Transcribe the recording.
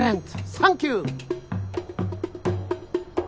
サンキュー！